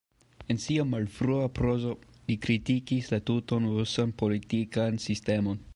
En sia malfrua prozo, li kritikis la tutan rusan politikan sistemon.